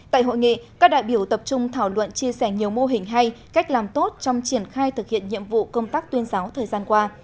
tại hội nghị các đại biểu tập trung thảo luận chia sẻ nhiều mô hình hay cách làm tốt trong triển khai thực hiện nhiệm vụ công tác tuyên giáo thời gian qua